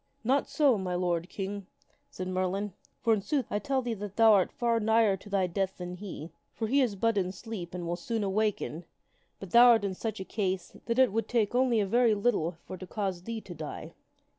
" Not so, my lord King !" said Merlin ;" for, in sooth, I tell thee that thou art far nigher to thy death than he. For he is but in sleep and will soon awaken; but thou art in such a case that it would take only a very little for to cause thee to die."